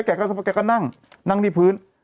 แกก็นั่งนั่งที่พื้น